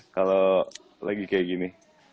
kalau lagi kayak gini